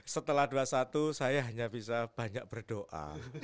setelah dua puluh satu saya hanya bisa banyak berdoa